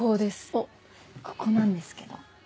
おっここなんですけど。